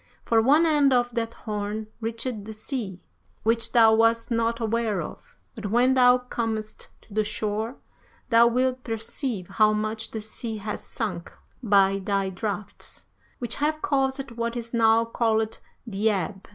For one end of that horn reached the sea, which thou wast not aware of, but when thou comest to the shore thou wilt perceive how much the sea has sunk by thy draughts, which have caused what is now called the ebb.